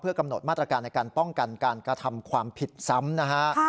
กำหนดมาตรการในการป้องกันการกระทำความผิดซ้ำนะฮะ